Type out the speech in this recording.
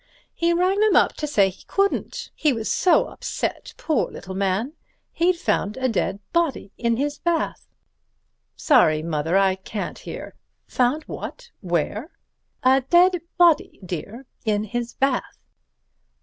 "He rang them up to say he couldn't. He was so upset, poor little man. He'd found a dead body in his bath." "Sorry, Mother, I can't hear; found what, where?" "A dead body, dear, in his bath."